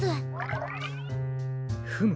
フム。